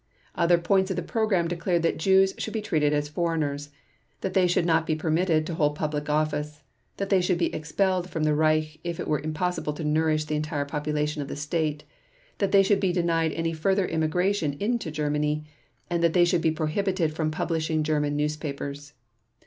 Other points of the program declared that Jews should be treated as foreigners, that they should not be permitted to hold public office, that they should be expelled from the Reich if it were impossible to nourish the entire population of the State, that they should be denied any further immigration into Germany, and that they should be prohibited from publishing German newspapers.